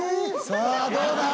さあどうだ！？